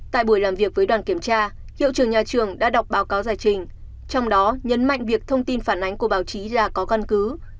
tại buổi làm việc với đoàn kiểm tra hiệu trưởng nhà trường đã đọc báo cáo giải trình trong đó nhấn mạnh việc thông tin phản ánh của báo chí là có căn cứ